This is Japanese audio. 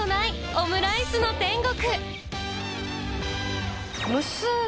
オムライスの天国！